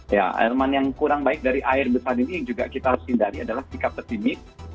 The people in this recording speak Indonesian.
ya elman yang kurang baik dari air besar ini yang juga kita harus hindari adalah sikap pesimis